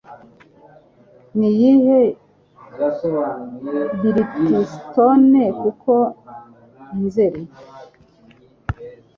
Ni iyihe Birthstone Kuko Nzeri?